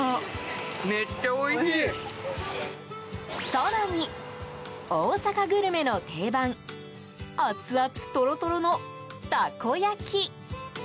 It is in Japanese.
更に、大阪グルメの定番熱々トロトロのたこ焼き。